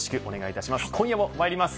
今夜もまいります。